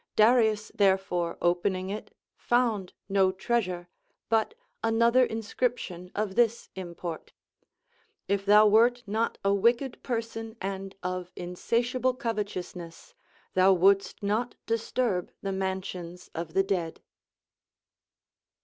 Darius therefore opening it found no treasure, but another inscription of this import : If thou wert not a Avicked person and of insatiable covctous ness, thou wouldst not disturb the mansions of the dead.